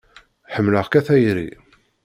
Ḥemmleɣ-k a tayri.